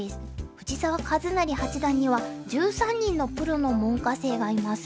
藤澤一就八段には１３人のプロの門下生がいます。